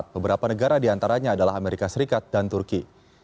beberapa negara diantaranya adalah amerika serikat dan turki